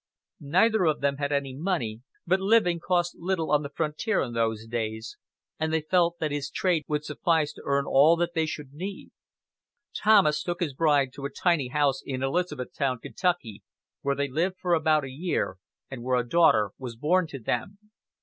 Neither of them had any money, but living cost little on the frontier in those days, and they felt that his trade would suffice to earn all that they should need. Thomas took his bride to a tiny house in Elizabethtown, Kentucky, where they lived for about a year, and where a daughter was born to them.